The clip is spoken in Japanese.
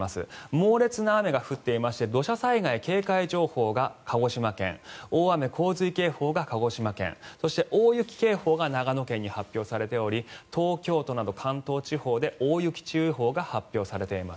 猛烈な雨が降っていまして土砂災害警戒情報が鹿児島県大雨・洪水警報が鹿児島県そして、大雪警報が長野県に発表されており東京都など関東地方で大雪注意報が発表されています。